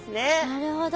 なるほど。